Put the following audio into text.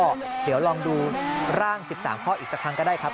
ก็เดี๋ยวลองดูร่าง๑๓ข้ออีกสักครั้งก็ได้ครับ